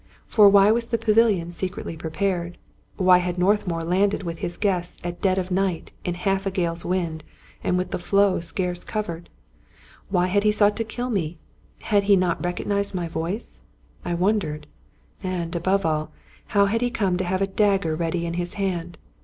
For why was the pavilion secretly prepared? Why had Northmour landed with his guests at dead of night, in half a gale* of wind, and with the floe scarce covered? Why had he sought to kill me? Had he not recognized my voice? I wondered. And, above all, how had he come to have a dagger ready in his hand?